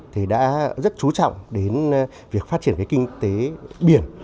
thì đã rất trú trọng đến việc phát triển kinh tế biển